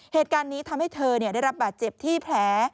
เหตุการณ์นี้ทำให้เธอได้รับบาดเจ็บที่แผล